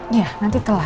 iya nanti telat